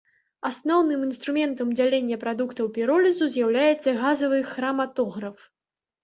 Асноўным інструментам дзялення прадуктаў піролізу з'яўляецца газавы храматограф.